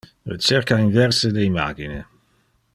Recerca inverse de imagine.